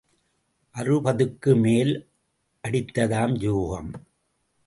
அறுபதுக்கு மேல் அடித்ததாம் யோகம்.